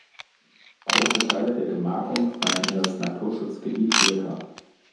Große Teile der Gemarkung fallen in das „Naturschutzgebiet Lutter“.